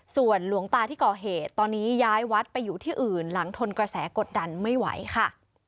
ส่วนหลวงตาที่ก่อเหตุตอนนี้ย้ายวัดไปอยู่ที่อื่นหลังทนกระแสกดดันไม่ไหวค่ะ